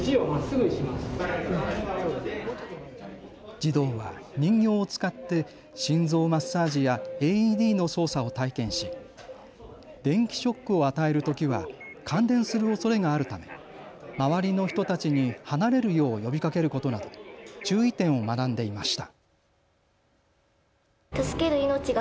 児童は人形を使って心臓マッサージやＡＥＤの操作を体験し、電気ショックを与えるときは感電するおそれがあるため周りの人たちに離れるよう呼びかけることなど注意点を学んでいました。